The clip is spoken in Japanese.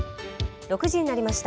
６時になりました。